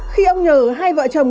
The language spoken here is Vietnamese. khi ông nhờ hai vợ chồng